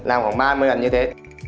làm khoảng ba mươi lần như thế